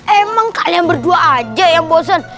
emang kalian berdua aja yang bosan